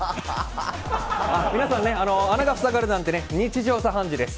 皆さんね、穴が塞がるなんて日常茶飯事です。